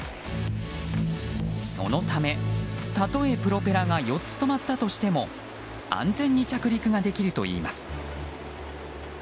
そのため、たとえプロペラが４つ止まったとしても安全に着陸ができるといいます。